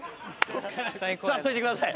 座っといてください。